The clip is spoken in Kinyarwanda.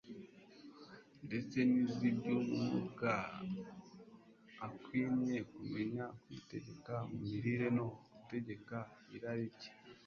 ndetse n'iz'iby'umwuka. Akwinye kumenya kwitegeka mu mirire no gutegeka irari rye,